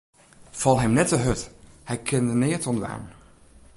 Fal him net hurd, hy kin der neat oan dwaan.